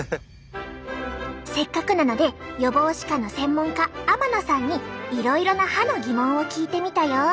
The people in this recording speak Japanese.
せっかくなので予防歯科の専門家天野さんにいろいろな歯の疑問を聞いてみたよ。